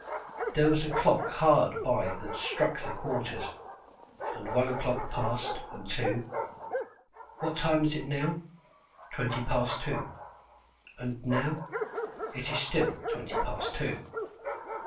There was a clock hard by that struck the quarters, and one o'clock passed and two. What time is it now? Twenty past two. And now? It is still twenty past two.